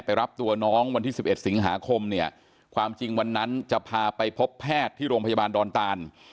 รับตัวน้องวันที่๑๑สิงหาคมเนี่ยความจริงวันนั้นจะพาไปพบแพทย์ที่โรงพยาบาลดอนตาน